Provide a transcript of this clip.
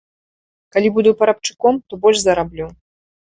Калі буду парабчуком, то больш зараблю.